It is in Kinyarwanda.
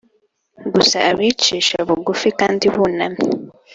gusa abicisha bugufi kandi bunamye